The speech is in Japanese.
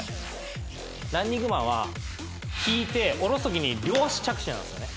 ランニングマンは引いて下ろす時に両足着地なんですよね。